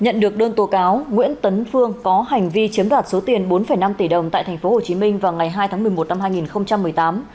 nhận được đơn tố cáo nguyễn tấn phương có hành vi chiếm đoạt số tiền bốn năm tỷ đồng tại tp hcm vào ngày hai tháng một mươi một năm hai nghìn một mươi tám